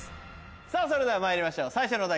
さぁそれではまいりましょう最初のお題